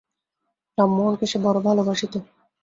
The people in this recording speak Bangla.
রামমোহনকে সে বড়ো ভালোবাসিত।